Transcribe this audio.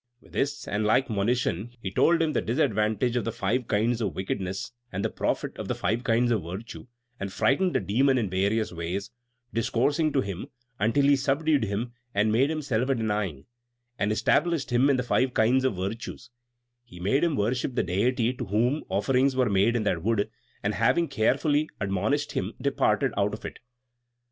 With this and the like monition he told him the disadvantage of the five kinds of wickedness, and the profit of the five kinds of virtue, and frightened the Demon in various ways, discoursing to him until he subdued him and made him self denying, and established him in the five kinds of virtue; he made him worship the deity to whom offerings were made in that wood; and having carefully admonished him, departed out of it.